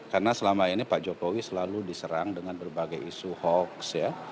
karena selama ini pak jokowi selalu diserang dengan berbagai isu hoax ya